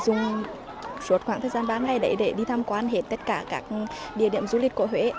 dùng suốt khoảng thời gian bán này để đi thăm quan hết tất cả các địa điểm du lịch của huế